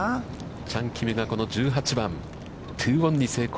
チャン・キムがこの１８番、ツーオンに成功。